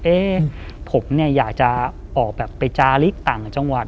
เอ๊ะผมอยากจะออกไปจาริกต่างจังหวัด